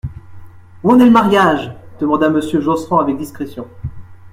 Où en est le mariage ? demanda Monsieur Josserand avec discrétion.